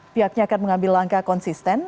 pihaknya akan mengambil langkah konsisten